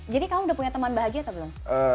jadi kamu udah punya teman bahagia atau belum